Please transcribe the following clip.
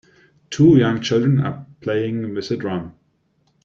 Two young children are playing with a drum.